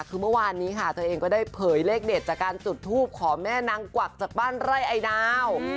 คือเมื่อวานนี้ค่ะเธอเองก็ได้เผยเลขเด็ดจากการจุดทูปขอแม่นางกวักจากบ้านไร่ไอดาว